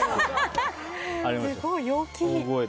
すごい陽気。